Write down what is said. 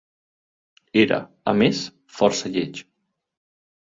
Era, a més, força lleig.